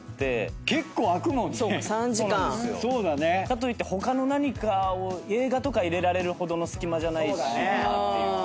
かといって他の何かを映画とか入れられるほどの隙間じゃないしなっていう。